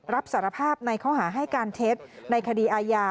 รับสารภาพในข้อหาให้การเท็จในคดีอาญา